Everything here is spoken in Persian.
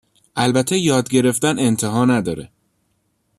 البته یادگرفتن انتها نداره.